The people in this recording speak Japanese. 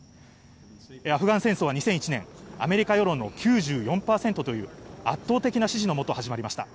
アフガン戦争は２００１年、アメリカ世論の９４％という圧倒的な支持のもと始まりました。